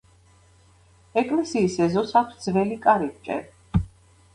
ეკლესიის ეზოს აქვს ძველი კარიბჭე.